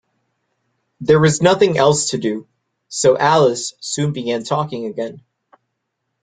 There was nothing else to do, so Alice soon began talking again.